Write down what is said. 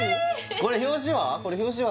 これ表紙は？